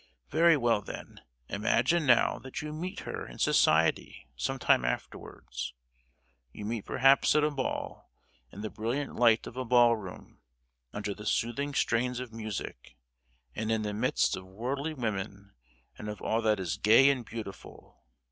Very well, then, imagine now that you meet her in society some time afterwards: you meet perhaps at a ball—in the brilliant light of a ball room, under the soothing strains of music, and in the midst of worldly women and of all that is gay and beautiful.